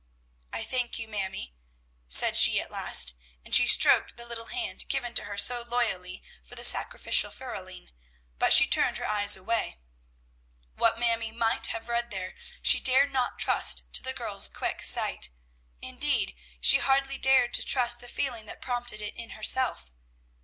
"I thank you, Mamie," said she at last; and she stroked the little hand given to her so loyally for the sacrificial feruling, but she turned her eyes away. What Mamie might have read there, she dared not trust to the girl's quick sight; indeed, she hardly dared to trust the feeling that prompted it in herself.